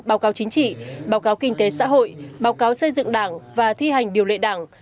báo cáo chính trị báo cáo kinh tế xã hội báo cáo xây dựng đảng và thi hành điều lệ đảng